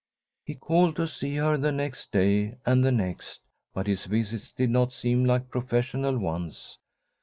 He called to see her the next day, and the next. But his visits did not seem like professional ones.